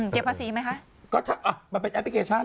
เก็บภาษีไหมคะอ่ะมันเป็นแอปพลิเคชัน